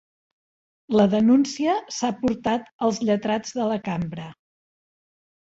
La denúncia s'ha portat als lletrats de la cambra